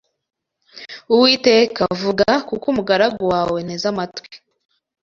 Uwiteka, vuga kuko umugaragu wawe nteze amatwi